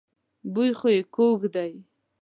بوی خو يې خوږ دی.